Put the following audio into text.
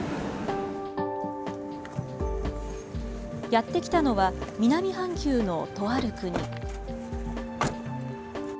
やって来たのは南半球のとある国。